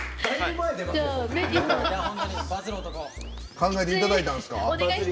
考えていただいたんですか。